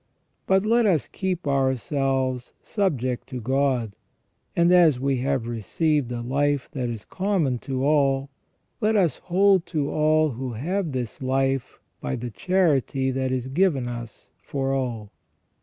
But let us keep ourselves subject to God ; and as we have received a life that is common to all, let us hold to all who have this life by the charity that is given us for all.